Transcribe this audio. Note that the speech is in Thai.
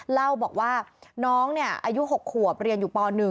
เล่าบอกว่าน้องอายุ๖ขวบเรียนอยู่ป๑